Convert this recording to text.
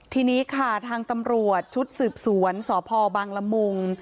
ทีนี้ค่ะทางตำรวจชุดสืบสวนสพบังละมุง